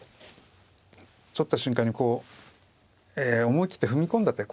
取った瞬間にこう思い切って踏み込んだ手